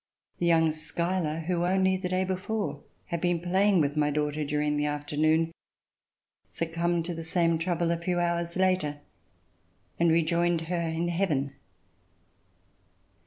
The young Schuyler who only the day before had been playing with my daughter during the afternoon succumbed to the same trouble a few hours later and rejoined her in Heaven.